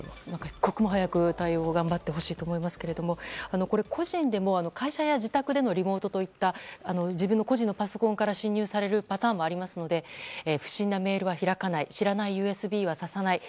一刻も早く対応を頑張ってほしいと思いますが個人でも、会社や自宅でのリモートといったパソコンから侵入されるパターンもあるので不審なメールは開かない知らないＵＳＢはささない。